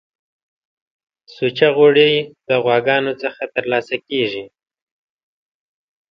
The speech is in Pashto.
سوچه غوړی د غواګانو څخه ترلاسه کیږی